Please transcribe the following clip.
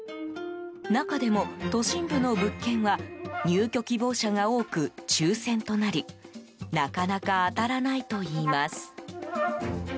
中でも、都心部の物件は入居希望者が多く、抽選となりなかなか当たらないといいます。